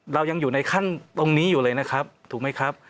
เรายังอยู่ในขั้นตรงนี้อยู่เลยนะครับถูกไหมครับ